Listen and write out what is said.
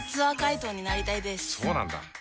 そうなんだ。